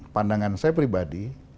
pandangan saya pribadi